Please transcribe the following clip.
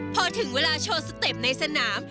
พอถึงเวลาโชว์สเต็ปในสนาม